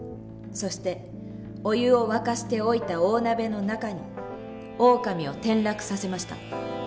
そしてお湯を沸かしておいた大鍋の中にオオカミを転落させました。